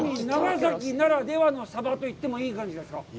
長崎ならではのサバと言ってもいい感じですか。